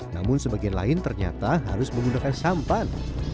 namun sebagian lain ternyata harus menggunakan sampan